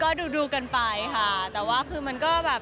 ก็ดูดูกันไปค่ะแต่ว่าคือมันก็แบบ